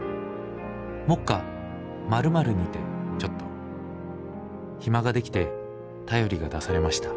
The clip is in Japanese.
目下○○にてちょっと暇が出来て便りが出されました」。